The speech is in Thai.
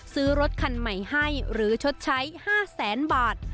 ซื้อรถคันใหม่ให้หรือชดใช้๕แสนบาท